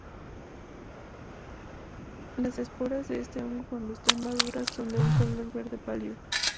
Las esporas de este hongo cuando están maduras son de un color verde pálido.